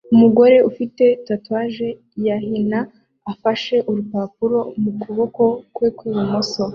Umugore ufite tatuwaje ya hina afashe urupapuro mu kuboko kwe kw'ibumoso